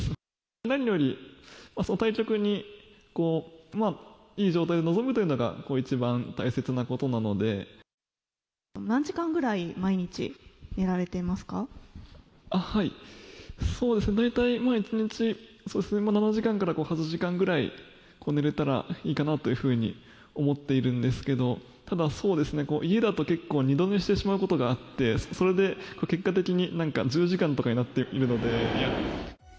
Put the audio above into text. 何より対局にいい状態で臨むというのが、何時間ぐらい、毎日、寝られそうですね、大体、１日、そうですね、７時間から８時間ぐらい寝れたらいいかなというふうに思っているんですけど、ただ、そうですね、家だと結構二度寝してしまうことがあって、それで結果的に、なんか１０時間とかになっているので。